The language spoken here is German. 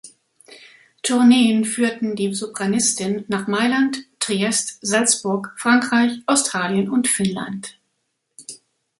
Tourneen führten die Sopranistin nach Mailand, Triest, Salzburg, Frankreich, Australien und Finnland.